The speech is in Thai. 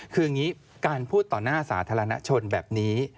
คืออย่างนี้การพูดต่อหน้าสาธารณชนแบบนี้